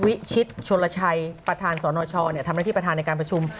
วิชิชฯชฐลชัยประธานสรณชคร์เนี่ยทำหน้าที่